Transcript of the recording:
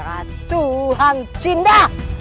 ratu hang cinda